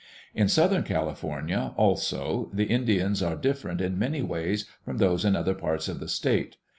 In southern California also the Indians are different in many ways from those in other parts of the state.